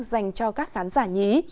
dành cho các khán giả nhí